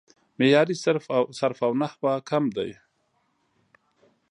معیاري صرف او نحو کم دی